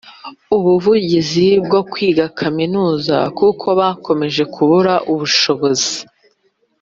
ubuvugizi bwo kwiga kaminuza kuko bakomeje kubura ubushobozi